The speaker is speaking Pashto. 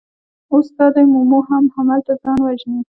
اوس دا دی مومو هم هملته ځان وژني.